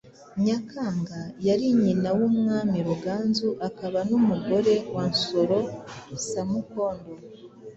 Nyakanga yari nyina w’umwami Ruganzu akaba n’umugore wa Nsoro Samukondo.